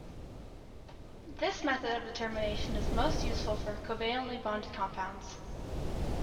This method of determination is most useful for covalently bonded compounds.